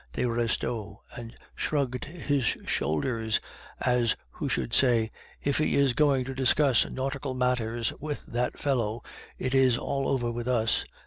de Restaud and shrugged his shoulders, as who should say, "If he is going to discuss nautical matters with that fellow, it is all over with us."